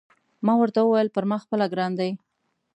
ما ورته وویل: پر ما خپله ګران دی.